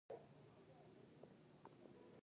برابر فرصتونو ته لاسرسی هم باید موجود وي.